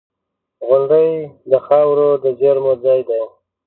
• غونډۍ د خاورو د زېرمو ځای دی.